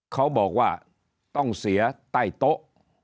เขาบอกว่าต้องเสียใต้โต๊ะ